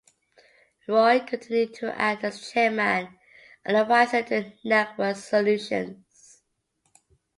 Roy continued to act as chairman and advisor to Network Solutions.